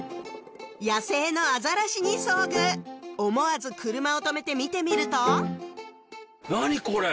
野生のアザラシに遭遇思わず車を止めて見てみると何これ？